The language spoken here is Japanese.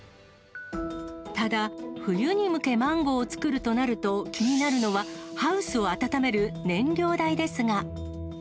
ただ、冬に向けマンゴーを作るとなると、気になるのは、ハウスを温める燃料代ですが。